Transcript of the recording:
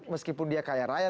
meskipun dia kaya raya